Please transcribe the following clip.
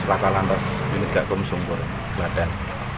lata lantas unit gakum sumpur kelaten